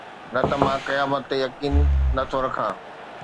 نه ته مان قيامت تي يقين نه ٿو رکان